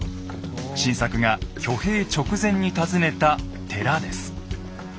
晋作が挙兵直前に訪ねた寺です。